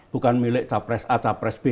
bukan milik capres a capres b